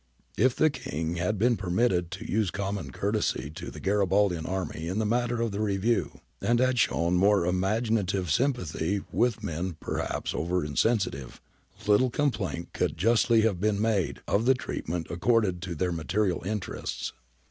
If the King had been permitted to use common courtesy to the Garibaldian army in the matter of the review, and had shown more imaginative sympathy with men per haps over sensitive, little complaint could justly have been made of the treatment accorded to their material interests.